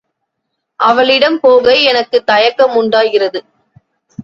அவளிடம் போக எனக்குத் தயக்கம் உண்டாகிறது.